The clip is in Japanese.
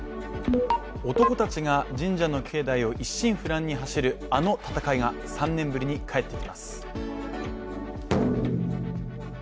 男たちが神社の境内を一心不乱に走るあの闘いが３年ぶりに帰ってきます。